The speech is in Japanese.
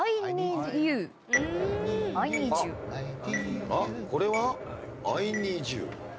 あっこれは？